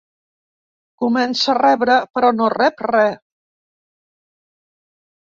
Comença a rebre però no rep re.